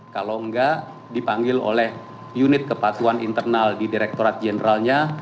kalau enggak dipanggil oleh unit kepatuhan internal di direktorat jeneralnya